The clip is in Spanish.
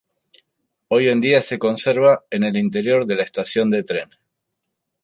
Hoy en día se conserva en el interior de la estación de tren.